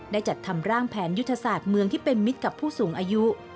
จัดทำร่างแผนยุทธศาสตร์เมืองที่เป็นมิตรกับผู้สูงอายุ